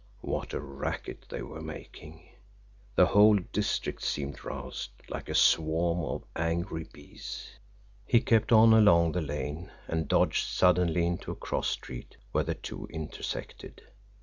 What a racket they were making! The whole district seemed roused like a swarm of angry bees. He kept on along the lane and dodged suddenly into a cross street where the two intersected.